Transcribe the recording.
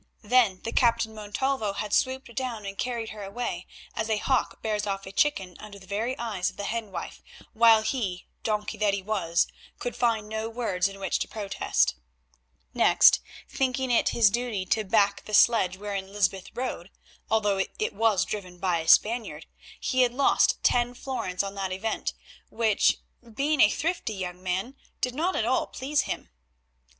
Then the Captain Montalvo had swooped down and carried her away, as a hawk bears off a chicken under the very eyes of the hen wife, while he—donkey that he was—could find no words in which to protest. Next, thinking it his duty to back the sledge wherein Lysbeth rode, although it was driven by a Spaniard, he had lost ten florins on that event, which, being a thrifty young man, did not at all please him.